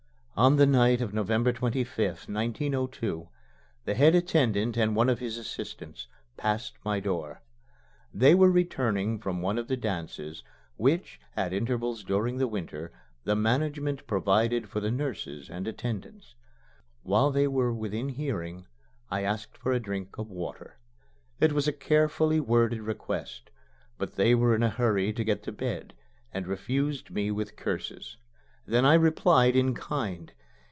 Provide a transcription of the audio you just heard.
On the night of November 25th, 1902, the head attendant and one of his assistants passed my door. They were returning from one of the dances which, at intervals during the winter, the management provides for the nurses and attendants. While they were within hearing, I asked for a drink of water. It was a carefully worded request. But they were in a hurry to get to bed, and refused me with curses. Then I replied in kind.